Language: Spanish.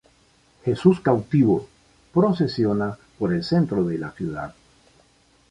Jesús Cautivo, procesiona por el centro de la ciudad.